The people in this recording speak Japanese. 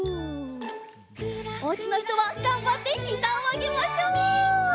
おうちのひとはがんばってひざをあげましょう！